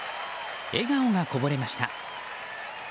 笑顔がこぼれました。